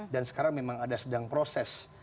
dan sekarang memang ada sedang proses